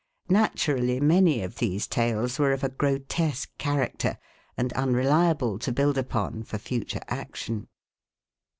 Naturally many of these tales were of a grotesque character, and unreliable to build upon for future action.